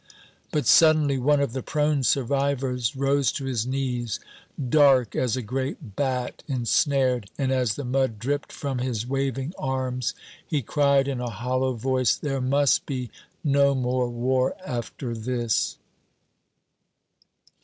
But suddenly one of the prone survivors rose to his knees, dark as a great bat ensnared, and as the mud dripped from his waving arms he cried in a hollow voice, "There must be no more war after this!"